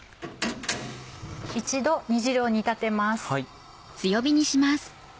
一度煮汁を煮立てます。